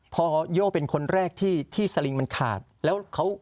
พอโย่เป็นคนแรกที่สลิงมันขาดแล้วเขา